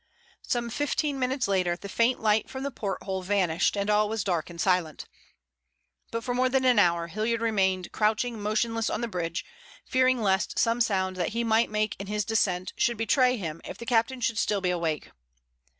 Some fifteen minutes later the faint light from the porthole vanished and all was dark and silent. But for more than an hour Hilliard remained crouching motionless on the bridge, fearing lest some sound that he might make in his descent should betray him if the captain should still be awake.